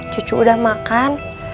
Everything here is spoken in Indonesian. cucu udah makan